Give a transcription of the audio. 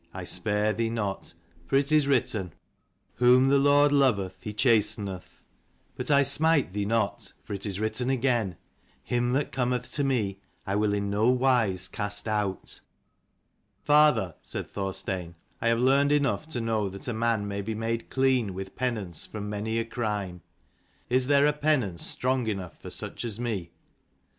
I spare thee not, for it is written, Whom the Lord loveth he chasteneth. But I smite thee not, for it is written again, Him that cometh to me I will in no wise cast out." " Father," said Thorstein, " I have learned enough to know that a man may be made clean with penance from many a crime. Is there a penance strong enough for such as me?"